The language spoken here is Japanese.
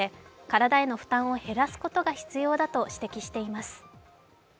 体への負担を減らすことが必要だと指摘しています。